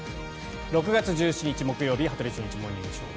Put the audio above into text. ６月１７日、木曜日「羽鳥慎一モーニングショー」。